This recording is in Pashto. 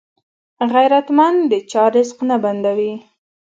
غیرتمند د چا رزق نه بندوي